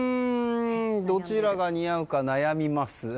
どちらが似合うか悩みます。